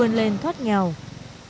hãy đăng ký kênh để ủng hộ kênh của mình nhé